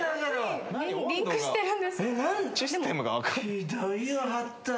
ひどいよハッター。